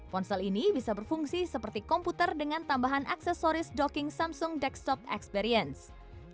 ponsel ini bisa berfungsi seperti komputer dengan tambahan aksesoris docking samsung desktop experience